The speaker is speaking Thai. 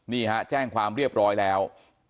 นี่ฮะแจ้งความเรียบร้อยแล้ว